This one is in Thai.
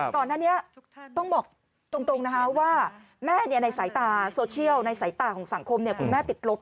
ก่อนหน้านี้ต้องบอกตรงนะคะว่าแม่ในสายตาโซเชียลในสายตาของสังคมคุณแม่ติดลบ